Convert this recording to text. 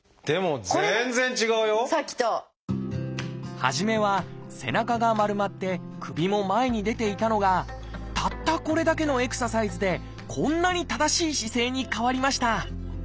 初めは背中が丸まって首も前に出ていたのがたったこれだけのエクササイズでこんなに正しい姿勢に変わりました。